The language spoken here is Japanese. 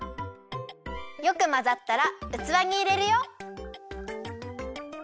よくまざったらうつわにいれるよ。